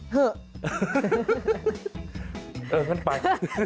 เฮ้ย